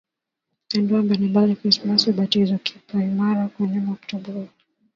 ya ndoa mbalimbali Krismasi Ubatizo Kipaimara Komunyo kutoa watoto jandoni na Mwaka mpya wenyewe